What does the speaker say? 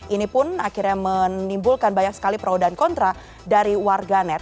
ini pun akhirnya menimbulkan banyak sekali peraudan kontra dari warga net